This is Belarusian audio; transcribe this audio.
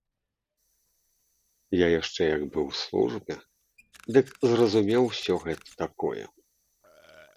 Я яшчэ як быў у службе, дык зразумеў усё гэта такое.